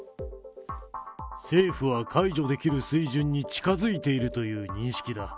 政府は解除できる水準に近づいているという認識だ。